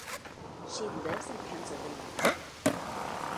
She lives in Pennsylvania.